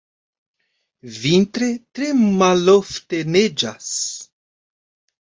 Vintre tre malofte neĝas.